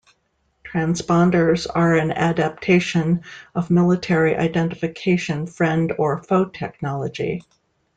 Transponders are an adaptation of military identification friend or foe technology.